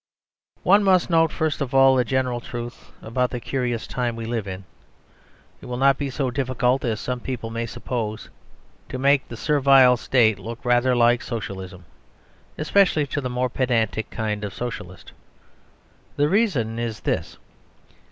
We must note, first of all, a general truth about the curious time we live in. It will not be so difficult as some people may suppose to make the Servile State look rather like Socialism, especially to the more pedantic kind of Socialist. The reason is this.